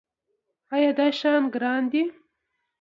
ایا دا شیان ګران دي؟